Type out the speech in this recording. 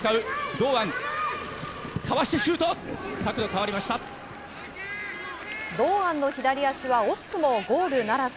堂安の左足は惜しくもゴールならず。